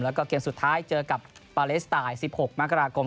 แล้วก็เกมสุดท้ายเจอกับปาเลสไตน์๑๖มกราคม